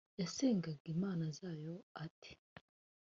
yasengaga imana zayo ate